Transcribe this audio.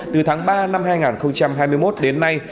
từ tháng ba năm hai nghìn hai mươi một đến nay